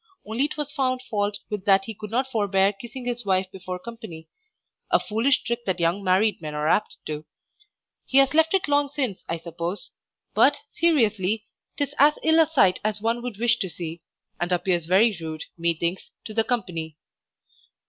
Only 'twas found fault with that he could not forbear kissing his wife before company, a foolish trick that young married men are apt to; he has left it long since, I suppose. But, seriously, 'tis as ill a sight as one would wish to see, and appears very rude, methinks, to the company.